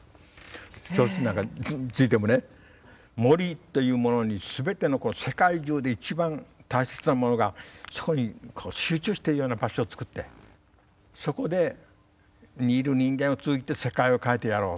小説なんかについても森というものにすべての世界中で一番大切なものがそこに集中してるような場所を作ってそこにいる人間を通じて世界を変えてやろうと。